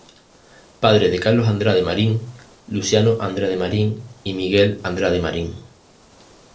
Padre de Carlos Andrade Marín, Luciano Andrade Marín y Miguel Andrade Marín.